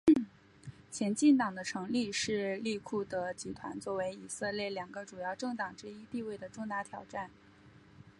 前进党的成立是利库德集团作为以色列两个主要政党之一地位的重大挑战。